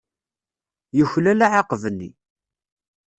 Yuklal aɛaqeb-nni.